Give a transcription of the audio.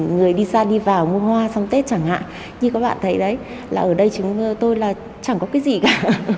người đi ra đi vào mua hoa xong tết chẳng hạn như các bạn thấy đấy là ở đây chúng tôi là chẳng có cái gì cả